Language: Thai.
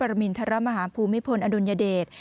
พระบาทสมเด็จพระปรมิณฌาติธรมหาภูมิพลอโยธ์อนุญาเดช